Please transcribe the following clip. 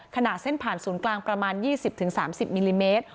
ขนาดเส้นผ่านศูนย์กลางประมาณ๒๐๓๐มิลลิเมตร